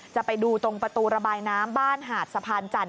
จะไปดูตรงประตูระบายน้ำบ้านหาดสะพานจันท